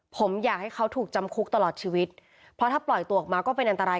ผมอยากให้เขาถูกจำคุกตลอดชีวิตเพราะถ้าปล่อยตัวออกมาก็เป็นอันตราย